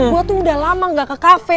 gue tuh udah lama gak ke kafe